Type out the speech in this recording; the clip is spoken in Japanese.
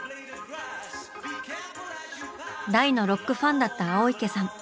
大のロックファンだった青池さん。